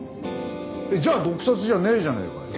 じゃあ毒殺じゃねえじゃねえかよ！